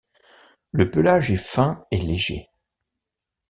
Le pelage est fin et léger.